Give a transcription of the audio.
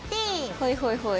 ほいほいほい。